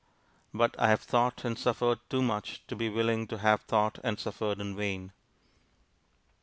But I have thought and suffered too much to be willing to have thought and suffered in vain.